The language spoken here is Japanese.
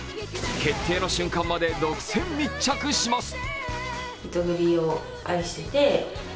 決定の瞬間まで独占密着します。